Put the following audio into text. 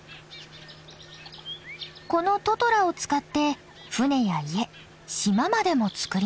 このトトラを使って舟や家島までもつくります。